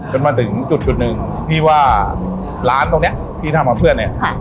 จนมาถึงจุดหนึ่งพี่ว่าร้านตรงเนี้ยพี่ทำกับเพื่อนเนี่ย